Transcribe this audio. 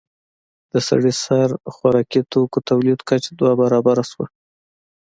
د سړي سر خوراکي توکو تولید کچه دوه برابره شوه.